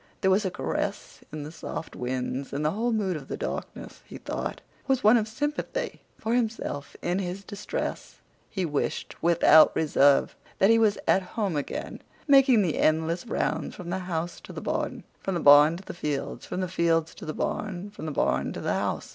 There was a caress in the soft winds; and the whole mood of the darkness, he thought, was one of sympathy for himself in his distress. He wished, without reserve, that he was at home again making the endless rounds from the house to the barn, from the barn to the fields, from the fields to the barn, from the barn to the house.